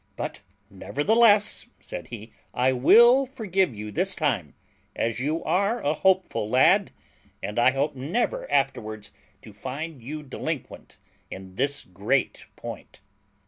"But, nevertheless," said he, "I will forgive you this time, as you are a hopeful lad, and I hope never afterwards to find you delinquent in this great point."